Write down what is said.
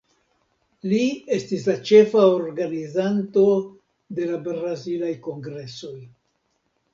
Li estis la ĉefa organizanto de la Brazilaj Kongresoj.